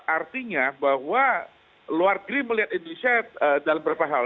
artinya bahwa luar negeri melihat indonesia dalam beberapa hal